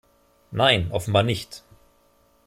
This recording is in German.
Nein, offenbar nicht.